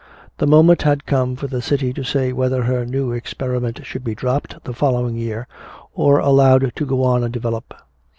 The moment had come for the city to say whether her new experiment should be dropped the following year or allowed to go on and develop.